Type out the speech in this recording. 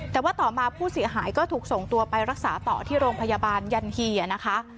แต่ว่าต่อมาผู้เสียหายก็ถูกส่งตัวไปรักษาต่อที่โรงพยาบาลยันเฮียนะคะ